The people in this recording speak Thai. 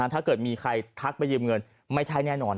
ถ้าเกิดมีใครทักไปยืมเงินไม่ใช่แน่นอน